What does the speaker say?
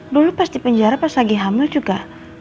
dulu pas di penjara pas lagi hamil juga